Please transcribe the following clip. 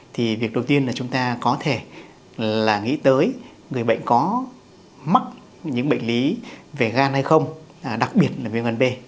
thì việc đầu tiên là chúng ta có thể là nghĩ tới người bệnh có mắc những bệnh lý về gan hay không đặc biệt là viêm gan b